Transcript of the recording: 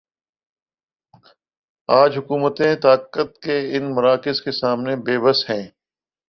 آج حکومتیں طاقت کے ان مراکز کے سامنے بے بس ہیں۔